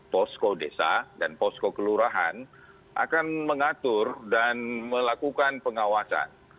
posko desa dan posko kelurahan akan mengatur dan melakukan pengawasan